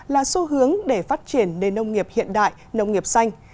là xu hướng để phát triển nền nông nghiệp hiện đại nông nghiệp xanh